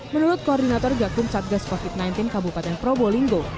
menurut koordinator gakum satgas covid sembilan belas kabupaten probolinggo